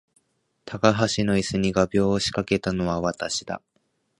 高橋の椅子に画びょうを仕掛けたのは私だ